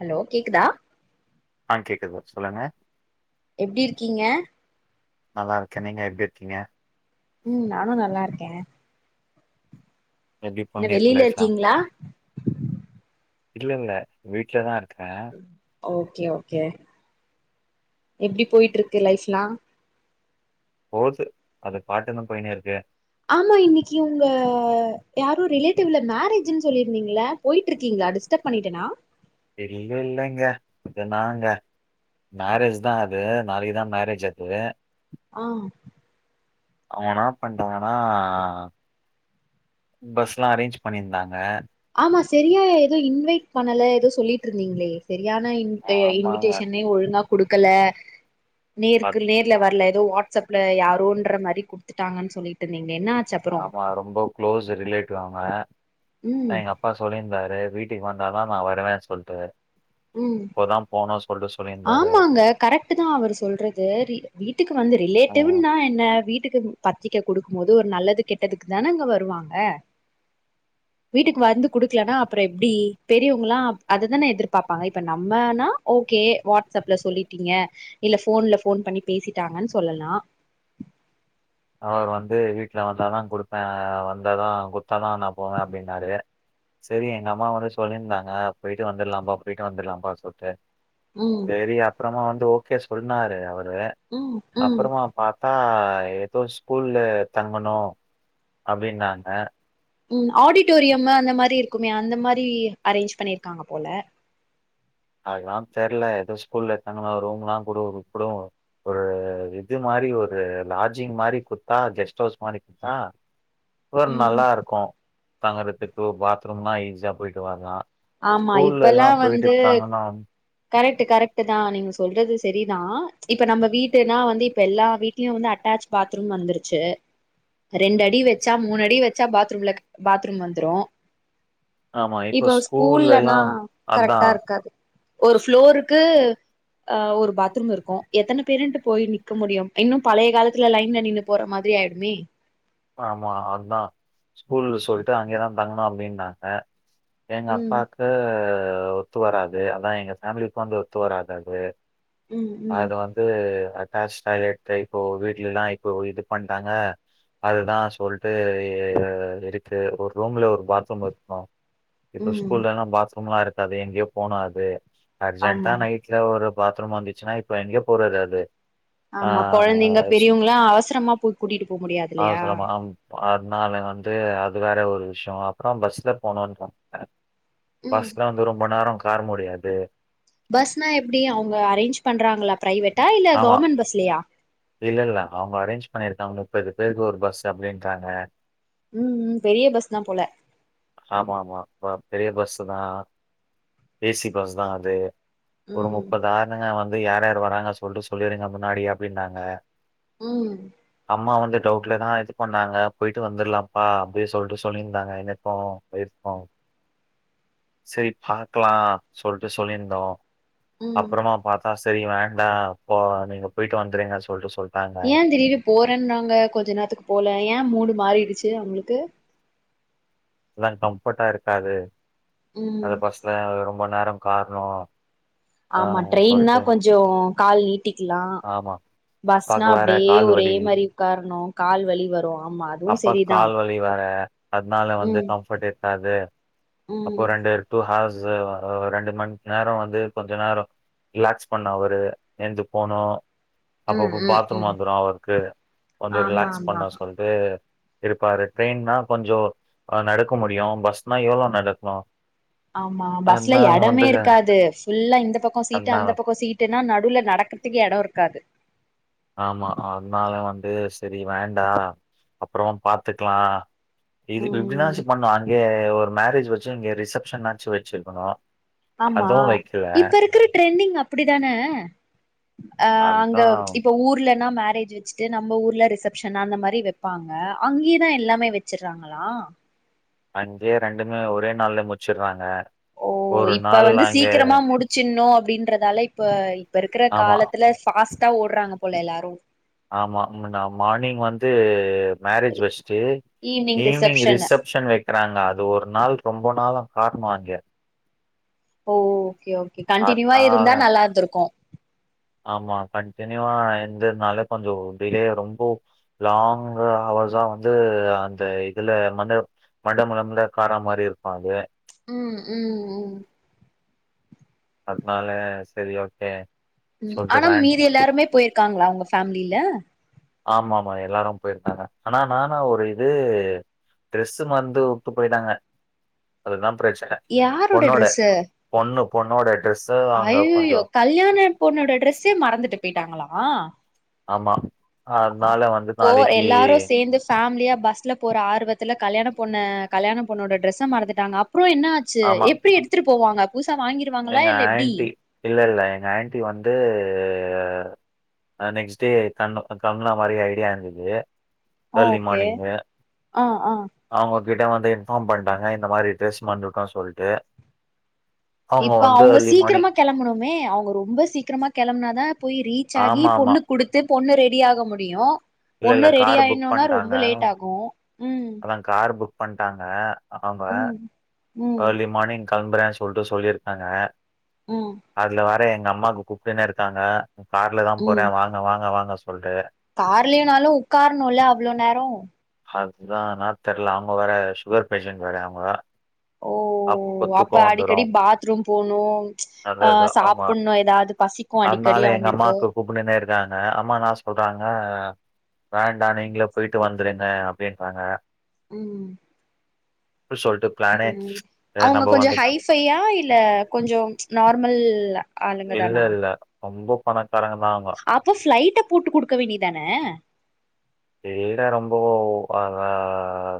Hello கேக்குதா கேகுதா ஆஹ் கேக்குது சொல்லுங்க எப்படி இருக்கீங்க நல்லா இருக்கேன் நீங்க எப்படி இருத்தீங்க ஆ உம் நானும் நல்லா இருக்கே எப்டி ஆனா போயினுருக்கு வெளில லைஃப்லாம்? இருக்கீங்களா இல்ல இல்ல வீட்லதான் இரு ஓக்கே ஓக்கே எப்டி போயிட்டு இருக்கு லைஃப்லா போது அது பாட்டுன்னே போயினே இருக்கு ஆம்மா இன்னைக்கு உங்கக யாரோ ரிலேட்டிவ்ல மேரேஜ்ன்னு சொல்லிருந்தீங்கள போயிட்டு இருக்கீங்களா டிஸ்டர்ப் பண்ணிட்டேனா இல்லங்க. இல்ல நாங்க மேரேஜ் ான் அது நாளைக்குதான் மேரேஜ் ஆக்குது ஆஆஹ் அவனா பண்றனானா பஸ் எல்லாம் அரேஞ்ச் பண்ணியிருந்தாங்க செரியா எதோ இன்வைட் பண்ணல எதோ சொல்லிட்டுருந்தீங்களே செரியான இன்வி ஆமாங்க. இன்விடேஷனே ஒழுங்கா குடுக்கல நேருக்கு நேர்ல வரல எதோ வாட்ஸ் அப்ல யாரோன்ற மாரி குடுத்துட்டாங்கன்னு சொல்லிட்டுருந்தீங்களே என்னாச்சு அப்பறோ ஆமா அதா எங்க அப்பா சொல்லி இருந்தாரு வீட்டுக்கு வந்தா தா நா வருவேன்னு சொல்ட்டு ம் இப்போதா போனு சொல்ட்டு சொல்லியிருந்தாரு ஆமாங்க கரெக்ட்டு தா அவரு சொல்றது வி வீட்டுக்கு வந்து ம் ரிலேட்டிவ்ன்னா என்ன வீட்டு வீட்டுக்கு பத்திரிக்க குடுக்கும்போது ஒரு நல்லது கெட்டதுக்கு தானங்க வருவாங்க வீட்டுக்கு வந்து குடுக்கலனா அப்பற எப்டி பெரியவங்களாம் அததான எதிர்ப் பாப்பாங்க இப்ப நம்மனா ஓகே வாட்ஸ்அப்ல சொல்லிட்டீங்க இல்ல போன்ல போன் பண்ணி பேசிட்டாங்கன்னு சொல்லலா அவர் [unintelligible] வந்தாதா குடுப்பே வந்தாதான் கொடுத்தாதா நா போவே அப்டின்னாரு செரி எங்க அம்மா வந்து சொல்லிருந்தாங்க போயிட்டு வந்துடலாப்பா போயிட்டு வந்துடலாப்பா சொல்லட்டு ம். சேரி அப்பறமா வந்து ஓக் தே சொன்னாரு அவர் [unintelligible] ம். ம். அப்பறமா பாத்தா ஏதோ ஸ்கூல்ல தங்கணு அப்டின்னாங்க ம் ஆடிட்டோரியமு அந்த மாரி இருக்குமே அந்த மாரி அரேஞ்ச் பண்ணிருக்காங்க போல அதெல்லா தெரில எதோ ஸ்கூல்ல எடுத்தாங்கலா ரூம்லா கூட குடு ஒரு இது மாரி ஒரு லாஜிங் மாரி குடுத்தா கெஸ்ட் ஹவுஸ் மாரி குடுத்தா [unintelligible] ம். நல்லா இருக்கும் தங்கறத்துக்கு பாத்ரூம்லா ஈஸியா போயிட்டு வரலா ஆமா. ஸ்கூல்லைலாம் போயிட்டு தங்கனோ கரெக்ட்டு கரெக்ட்டு தா நீங்க சொல்றது செரிதா இப்ப நம்ம வீட்டுனா வந்து இப்ப எல்லா வீட்லயு வந்து அட்டாச் பாத்ரூம் வந்துருச்சு ரெண்டு அடி வச்சா மூணு அடி வச்சா பாத்ரூம்ல கா பாத்ரூம் வந்துரு ஆமா இப்போ இப்ப ஸ்கூல்ல ஸ்கூல்லனா எல்லாம் கரெக்ட்டா அதான். இருக்காது ஒரு ஃப்ளோருக்கு அ ஒரு பாத்ரூம் இருக்கு எத்தன பேருன்ட்டு போய் நிக்க முடியு இன்னு பழைய காலத்துல லைன்ல நின்னு போற மாதிரி ஆயிடுமே ஆமா அதா ஸ்கூல்ல சொல்ட்டே அங்கயே தா தங்கணு அப்டின்னாங்க எங்க ம் அப்பாக்கு ஆ ஒத்து வராது அதா எங்க ஃபேமிலிக்கு வந்து ஒத்து வராது அது ம் ம் அது வந்து அட்டேச் டாய்லெட் இப்போ வீட்லிலாம் இப்போ இது பண்ட்டாங்க அதுதா சொல்ட்டு ஆ இருக்கு ஒரு ரூம்ல ஒரு பாத்ரூம் இருக்கணு இப்ப ம் ஸ்கூல்லலா பாத்ரூம்லா இருக் அது எங்கயோ போணு அது அர்ஜெண்ட்டா ஆமா நைட்ல ஒரு பாத்ரூம் வந்துச்சுன்னா இப்ப எங்கே போறது அது ஆமா ஆங் கொழந்தைங்க அவச பெரியவங்களா அவசரமா போய் கூட்டிட்டு போ முடியாது இல்லையா அவசரமா ஆம் ஆ நா நாளை வந்து அது வேற ஒரு விஷயம் அப்புறம் பஸ்ல போனும்னு பாத்தேன் ம் பஸ்லாம் வந்து ரொம்ப நேரம் உக்கார முடியாது பஸ்னா எப்டி அவங்க அரேஞ்ச் பண்றாங்களா பிரைவேட்டா இல்ல ஆமா கவர்மெண்ட் பஸ்லயா இல்ல இல்ல அவுங்க அரேஞ்ச் பண்ணிருக்காங்க முப்பது பேருக்கு ஒரு பஸ் அப்படின்றாங்க ம் ம் பெரிய பஸ் தா போல ஆமா ஆமா பெரிய பஸ்ஸு தான் ஏசி பஸ் தான் அது ஒரு ம் முப்பது ஆரணங்க வந்து வந்து யார் யார் வராங்க சொல்லிட்டு சொல்லிருங்க முன்னாடி அப்டின்னாங்க உம் அம்மா வந்து டவுட்ல தான் இது பண்ணாங்க போயிட்டு வந்துருலாம் அஹ் அப்டியே சொல்டு சொலின்ருந்தாங்க, எனக்கும் வைஃப்கும், சரி பாக்கலாம் சொல்டு சொல்லியிருந்தோம். ம் அப்புறமா பார்த்தாஸ் சரி வேண்டாம் இப்போ நீங்க போயிட்டு வந்திறீங்க சொல்லிட்டு சொல் ஏன் திடீர்னு போறேன்னன்னாங்க கொஞ்ச நேரத்துக்கு போல ஏன் மூடு மாறிடுச்சு அவுங் களுக்கு எல்லாம் கம்ஃபோர்ட்டா இருக்காது ம் அது பஸ்லா ரொம் ப நேரம் காரணோம் ஆமா ட்ரெயின்னா கொஞ்சம் கால் நீட்டிக்கலாம், ஆமா. பஸ்னா அப்பாக்கு வேற அப்டியே கால் ஒரே மாரி உக்காரணும், கால் வலி வரும். அப்பாவுக் கால் வலி வேற அத்னால வந்து ம் கம்ஃபர்ட் இருக்காது, ம் அப்போ ரெண்டு டூ ஹாவர்ஸ் [unintelligible] ரெண்டு மண் நேரம் வந்து, கொஞ்ச நேரம், ரிலாக்ஸ் பண்ணூம் அவரு, எய்ஞ்சி போவ்னும். ம் அப்பப்ப ம் பாத்ரூம் ம் வந்துரும் அவருக்கு, வந்து ஆமா ரிலாக்ஸ் ஆமா பண்ண சொல் இது, இருப்பாரு ட்ரெயின்னா கொஞ்சம், அஹ் நடக்க முடியும், பஸ்னா எவ்ளோ நடக்கும். ஆமா ஆமா, பஸ்ல எடமே இருக்காது, ஃபுல்லா இந்த பக்கம் சீட்டு, அதனால அந்த பக்கம் சீட்டுன்னா, நடுவுல நடக்கறதுக்கு எடம் இருக்காது. இது செரி வேண்டாம். அப்புறம் பாத்துக்கலாம். இது ம் இப்படின்னாச்சும் பண்ணூம், அங்கே ஒரு மேரேஜ் வச்சு இங்க ரிசப்ஷன்னாச்சும் வச்சிருக்கணும். ஆம்மா, இப்ப இருக்கிற ட்ரெண்டிங் அப்படி தானே. அஹ் அங்க அதா இப்ப ஊர்லன்னா மேரேஜ் வெச்சுட்டு, நம்ம ஊர்ல ரிசப்ஷன் அந்தமாரி வெப்பாங்க, அங்கியதான் எல்லாமே வெச்சிற்றாங்களா அஞ்சே ரெண்டுமே ஒரே நாள்லய முட்ச்சிற்றாங்க ஓ இப்ப வந்து சீக்கிரமா முடிச்சிட்ணூம் அப்படின்றத் [inaudible] ஆமா, ஃபாஸ்டா ஓட்றாங்க போல, ஆமா, முன்னா நா மார்னிங் வந்து மோரோஜ் வெச்சுட்டு evening evening evening reception reception வெக்கறாங்க அது ஒரு நாள் ரொம்ப நாளா கார்ணம் அங்கே ஓ ஓகே ஓகே கண்டினியூவா இருந்தா நல் லாந்துருக்கும் ஆமா கண்டிப் மினிமம் என்து நால கொஞ்சம் டிலே ரொம்ப லாங் ஹவர்ஸா வந்து அந்த இதுல மண்ட மண்ட மலம்ல காரம் மாரி இருக்கும் அது. உம் உம் உம் அத்னால சரி ஓகே. ம் சொல்ட்டு ஆனா வேன் மீதி எல்லாருமே போயிருக்காங்களா உங்க ஃபேமிலில ஆமாம்மா எல்லாரும் போயிருந்தாங்க அனா நான்னா ஒரு இது ட்ரெஸ்சு வந்து உட்டு போயிட்டாங்க அதுதான் பிரச்சன கியா யாரோட பொண்ணோட ட்ரெஸ்ஸு பொண்ணு பொண் பொண்ணோட ட்ரெஸ்ச அவுங்க கொஞ்சோ கல்யாண பொண்ணோட ட்ரெஸ்சே மறந்துட்டு போய்டாங்குளா ஆம்மா போ எல்லாரு சேர்ந்து ஃமிலியா பஸ்ல போர ஆறுக் ட்ரெஸ்ஸ மறந்துட்டாங்க அப்றோ என்ன ஆச்சு ஆம்மா எப்டி எடுத்துட்டு போவாங்க புதுசா வாங்கிருவாங்களா எங்க இல்ல எப்டி ஆன்ட்டி இல்ல இல்ல எங்க ஆன்ட்டி வந்து நெக்ஸ்ட் டே கண் களம்பலா மாரி ஐடியா இருந்தது எர்லி மார்னிங்கு ஆஹ் ஆஹ் உங் கிட்ட வந்து இன்ஃபார்ம் பண்டாங்க இந்த மாரி ட்ரஸ் மறதுட்டோ சொல்ட்டு இப்ப வந்து அவங்க ஏர்லி மார்னிங் சீக்கிரமா கெளம்பணுமே அவங்க ரொம்ப சீக்கிரமா கெளம்பனா த ந போய் ரீச் ஆகி ஆமா ஆமா பொண்ணு குடுத்து பொண்ணு ரெடி ஆக முடியு இல்ல இல்ல பொண்ணு ரெடி கார் புக் ஆயர்னும்னா ரொம்ப பண்ட்டாங்க லேட் ஆகு ம் அதா கார் புக் பண்டாங்க ஆம ம் ம் அர்லி மார்னிங் கெலம்புற சொல்ட்டு சொல்லிருந்தாங்க ம் அதுல வர எங் எ அம்மாங்க கூப்ட்டுனே இருக்காங்க ம் கார்லதா போறே வாங்க வாங்க வாங்க சொ கார்லியுனாலு உக்கார்னுல அவ்ளோ நேரோ இதானா தெர்ல அவ்ங்க வேற சுகர் பேஷண்ட் வேற அவ்ங்க ஓ அப்ப அடிக்கடி பாத்ரூம் போணு அது இது அஹ் ஆமா சாப்பிட்ணு எதாவ்து பசிக்கு அடிக்கடி அவ்ங்குளுக்கு த்தாங்க அம்மான்னா சொல்றாங்க வேண்டா நீங்ளே போய்டிட்டு வந்துருங்க அப்பிடின்ட்டாங்க உம் இப்டி சொல்ட்டு ப்ளானே ம் அவ்ங்க கொஞ்சோ ஹை ஃபையா இல்ல கொஞ்சோ நார்மல் இல்ல ஆளுங்கதானா இல்ல ரொம்ப பணக் அப்ப ஸ்ளைட்ட பூட்டு குடுக்கவேண்டியது தான ஏ டா ரொம்போ அதா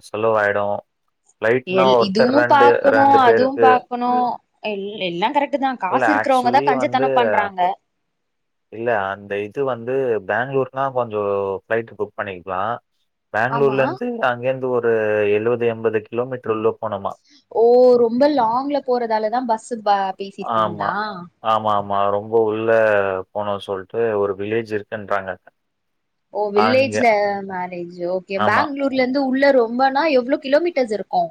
செலவாய்டு எல் இதுவு பாக்கணு அதுவு பேருக்கு பாக்கணு எல் எல்லா கரெக்ட்டு தா இல்ல காசு இருக்குறவங்கதா ஆக்சுவலி வந்து கஞ்சத்தன பண்றாங்க இல்ல அந்த இது வந்து பேங்ளூர்னா கொஞ்ச ஃப்ளைட் புக் பண்ணிக்லா ஆமா பேங்ளூர்ல இருந்து அங்கே இருந்து ஒரு ப்ப எழுவது எம்பது கிலோமீட்ருலோ பணமா ஓ ரொம்ப லாங்ல போறதாலதா பஸ்ஸு ப ஆமா பேசிருக்கீங்களா ஆமா ஆமா ரொம்ப ஒரு இல்லப் போனோ சொல்ட்டு ஒரு வில்லேஜ் இருக்குன்றாங்க ஓ அங்க வில்லேஜ்ல மேரேஜ் ஓகே ஆமா பேங்ளூர்ல இருந்து உள்ள ரொம்பனா எவ்ளோ கிலோமீட்டர்ஸ் இருக்கு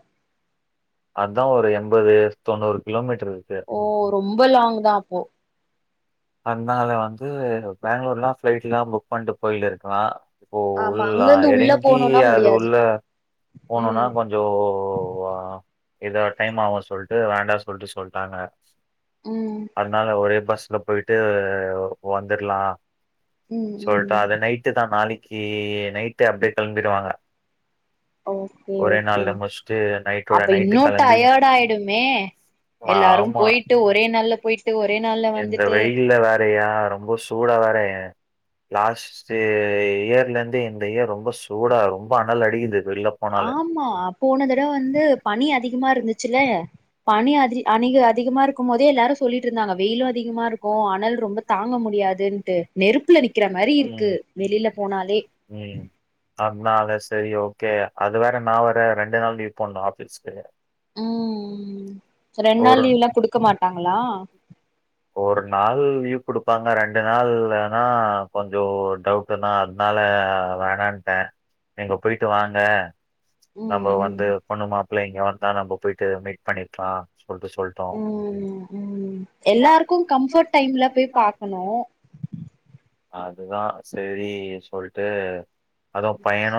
அதா ஒரு எண்பது தொண்ணூறு கிலோமீட் ஓ ரொம்ப லாங் தா அப்போ என்னால்தே வந்து பேங்ளூர்னா ஃப்ளைட்லா புக் பண்ட்டு போய்ல்ட் இருக்லா இப்போ ஆமா அங்க உள்ளா இருந்து உள்ள எறயுங்கி போணும்னா அது முடியாது உள்ள போனோனா ம் கொஞ்சோ ஒ வா இதோ டைம் ஆகு சொல்ட்டு வேண்டா சொல்ட்டு சொல்ட்டாங்க. ம் அதுனால ஒரே பஸ் ல போய்ட்டு அ வந்துர்லா ம் சொல்ட்டா ம் அத நைட்டு தா நாளைக் கே நைட் அப்டே கெளம்பிடுவாங்க ஓகே ஒரே ஓகே நாள்ல முச்ட்டு நைட்டோட அப்ப நைட்டு இன்னு கலம்பி டயர்ட் ஆயிடுமே எல்லாரு ஆமா போயிட்டு ஒரே நாள்ல போயிட்டு ஒரே நாள்ல இந்த வந்துட்டு வெயில்ல வேற அ ரொம்ப சூடா வேற ஏ லாஸ்ட்டு இயர்ல இருந்து இந்த இயர் ரொம்ப சூடா ரொம்ப அனல் அடிக்குது வெள்ல போனாலே ஆமா போன தடவ வந்து பனி அதிகமா இருந்துச்சுல பனி அணிக அதிகமா இருக்கும் போதே எல்லாரும் சொல்லிட்டு இருந்தாங்க வெயிலும் அதிகமா இருக்கும் அனல் ரொம்ப [unintelligible] தாங்க முடியாது முடியாதுன்ட்டு நெருப்புல நிக்கிற நிக்கறமாரி மாரி இருக்கு உம் வெளில போனாலே [unintelligible] உம் ஆம் னால சரி ஓகே அது வேற நா வேற ரெண்டு நாள் லீவ் போடனு ஆபீஸ்க்கு ம் ரெண்டு நாள் ஒரு லீவ்லா குடுக்க மாட்டாங்களா ஒரு நாள் லீவ் கொடுப்பாங்க ரெண்டு நாள்ன்னா கொஞ்சம் டவுட் தா அதனால வேண்டட்டே நீங்க போயிட்டு வாங்க ம் நம்ம வந்து ம் பொண்ணுமாப் இல்ல இங்க வந்ட்ட நம்ம போயிட்டு மீட் பண்ணிருக்கலாம் சொல்லிட்டோம் ம் ம் பாக்கணும். அதுதா சரி சொல்லிட்டு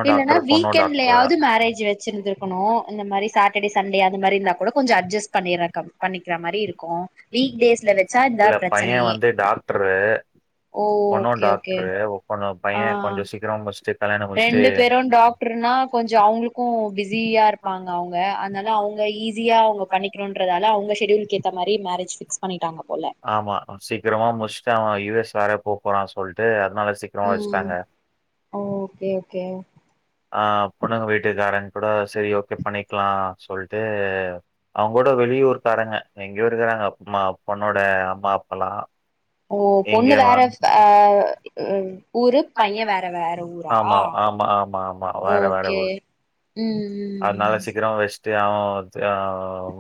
இல்லன்னா வீக்கெண்ட்லயாவது மேரேஜ் வச்சிருந்து இருக்கணும். அந்த மாரி சாட்டர்டே சண்டே அது மாரி இருந்தா கூட கொஞ்சம் அட்ஜஸ்ட் பண்ண பண்ணிக்கிற மாரி இருக்கும். வீக்டேஸ்ல வச்சா இந்த பிரச்சனையே [unintelligible] ஓ பொண்ணும் ஓகே ஓகே டாக்டரு ஒர்க் பண்ணு ஆ பையன் கொஞ்சம் சீக்கிரம் முடிச்சிட்டு கல்யாணம் முடிச்சிட்டு ரெண்டு பேரு டாக்டர்னா கொஞ்சோ அவங்களுக்கு பிஸியா இருப்பாங்க அவங்க அதனால அவங்க ஈஸியா அவங்க பண்ணிக்கணுன்றதால அவங்க ஷெடியூல்க்கு ஏத்த மாரி மேரேஜ் ஃபிக்ஸ் பண்ணிட்டாங்க போல ஆமா சீக் முடிச்சட்டு அவன் யு எஸ் வேற போ போறான் சொல்லிட்டு உம் ஓ ஓகே ஓகே ஆஹ் பொண்ணுங்க வீட்டுக்காரன் கூட சரி ஓகே பண்ணிக்கலாம் சொல்லிட்டு அவங்கூட வெளியூர் காரங்க நி இவங்க இருக்குறாங்க அம்மா பொண்ணோட அம்மா அப்பல்லாம் ஓ பொண்ணு வேற ஆஹ் ஊரு பையன் வேற வேற ஊரா ஆமா ஆமா ஆமா ஆமா வேற வேற ஓகே ஊர் உம் உ தியா தியாவ்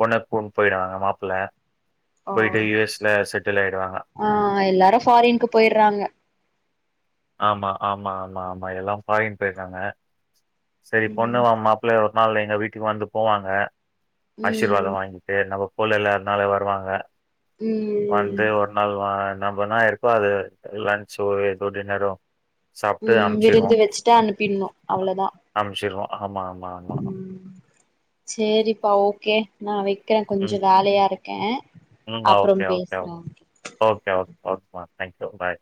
பொண்ணு கூண்டு போய்டுவாங்க மாப்பிள்ள ஆ போயட்டு யூ எஸ் ல செட் டிலே ஆயிடுவாங்க ஆ எல்லாரு ஃபாரின்க்கு போயிட்றாங்க ஆமா ஆமா ஆமா ஆமா எல்லாம் பாரின்னு போயிருக்காங்க சரி ம் பொண்ணுவா மாப்பிள்ளைய அவங்களே எங்க வீட்டுக்கு வந்து போவாங்க ம் ஆசிர்வாதம் வாங்கிட்டு நவ் புள்ளல்ல அதனால வருவாங்க உம் வந்து ஒரு நாள் நம்மனா இருக்கோ அது லன்ச்சோ ஏதோ டின்னரும் உம் விருந்து வச்சுட்டு அனுப்பிடணு அவ்வளவுதா ஆமாம் உம் சேரிப்பா ஓகே நா வைக்கிறே ம். கொஞ்ச வேலையா இருக்கே ம். அப்புறம் ஓகே, பேச ஓகே, அப்புற okay, okay [inaudible] thank you bye